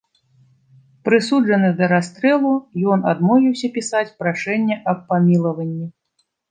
Прысуджаны да расстрэлу, ён адмовіўся пісаць прашэнне аб памілаванні.